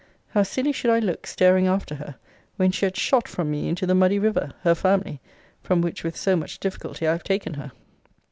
How silly should I look, staring after her, when she had shot from me into the muddy river, her family, from which with so much difficulty I have taken her!